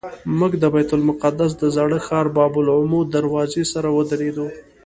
موږ د بیت المقدس د زاړه ښار باب العمود دروازې سره ودرېدو.